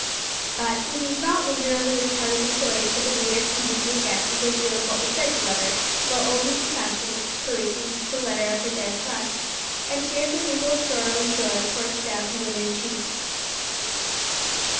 But we need not linger over this part of the story, for the reader can easily guess a good deal of what was said to Leather, while old Mrs Samson was perusing the letter of her dead son, and tears of mingled sorrow and joy coursed down her withered cheeks.